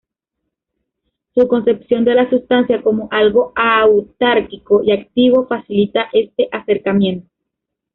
Su concepción de la sustancia como algo autárquico y activo facilita este acercamiento.